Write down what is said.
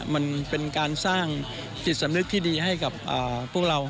มันเป็นการสร้างจิตสำนึกที่ดีให้กับพวกเรา